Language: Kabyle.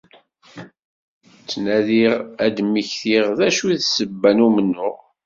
Ttnadiɣ ad d-mmektiɣ d acu i d ssebba n umennuɣ.